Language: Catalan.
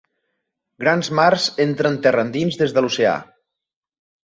Grans mars entren terra endins des de l'oceà.